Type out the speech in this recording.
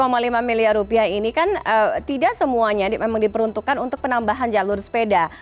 oke nah dari total tujuh lima miliar rupiah ini kan tidak semuanya memang diperuntukkan untuk penambahan jalur sepeda